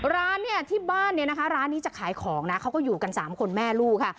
ร้านเนี่ยที่บ้านเนี่ยนะคะร้านนี้จะขายของนะเขาก็อยู่กัน๓คนแม่ลูกค่ะ